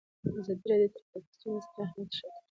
ازادي راډیو د ټرافیکي ستونزې ستر اهميت تشریح کړی.